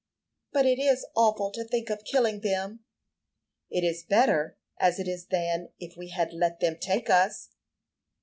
"But it is awful to think of killing them." "It is better as it is than if we had let them take us."